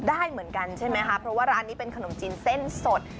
ได้เหมือนกันใช่ไหมคะเพราะว่าร้านนี้เป็นขนมจีนเส้นสด